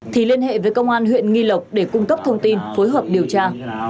thì liên hệ với công an huyện nghi lộc để cung cấp thông tin phối hợp điều tra